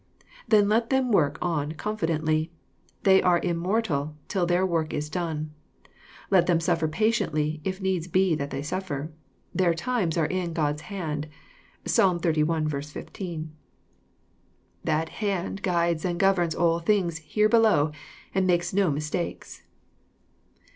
Then let them work on confi dently. They are immortal, till their work is done. Let them suffer patiently, if needs be that they suffer. Their *Himes are in God^ hand." (Psl. xxxi. 15.) That hand guides and governs all things here below, and makes no mistakes.